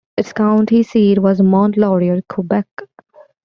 Its county seat was Mont-Laurier, Quebec.